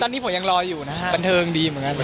ตอนนี้ผมยังรออยู่นะฮะบันเทิงดีเหมือนกัน